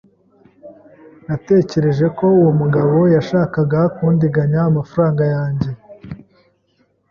Natekereje ko uwo mugabo yashakaga kundiganya amafaranga yanjye.